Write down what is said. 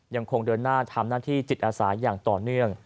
ยังคงเดินหน้าทำหน้าที่จิตอาสาอย่างต่อเนื่อง